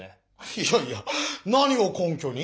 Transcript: いやいや何を根きょに？